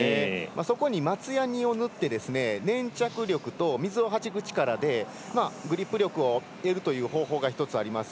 そこに松やにを塗って粘着力ではねないようグリップ力を得るという方法が１つあります。